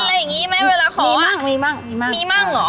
อะไรอย่างงี้ไหมเวลาขออ้ะมีมั่งมีมั่งมีมั่งมีมั่งหรอ